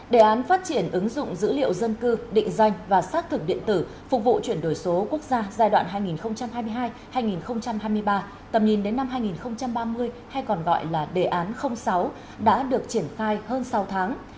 đề án phát triển ứng dụng dữ liệu dân cư định danh và xác thực điện tử phục vụ chuyển đổi số quốc gia giai đoạn hai nghìn hai mươi hai hai nghìn hai mươi ba tầm nhìn đến năm hai nghìn ba mươi hay còn gọi là đề án sáu đã được triển khai hơn sáu tháng